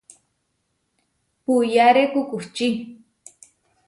Puyáre kukučí.